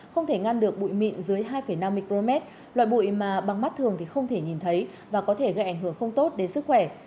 không thể ngăn được bụi mịn dưới hai năm micromet loại bụi mà bằng mắt thường thì không thể nhìn thấy và có thể gây ảnh hưởng không tốt đến sức khỏe